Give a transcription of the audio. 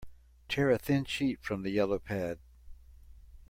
Tear a thin sheet from the yellow pad.